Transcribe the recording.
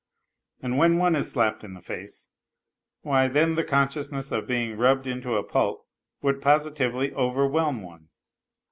And when one is slapped in the face why then the consciousness of being rubbed into a pulp would positively overwhelm one.